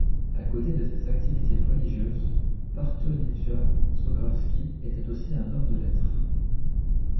À côté de ses activités religieuses, Partenija Zografski était aussi un homme de lettres.